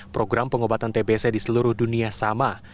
program pengobatan tbc di seluruh dunia sama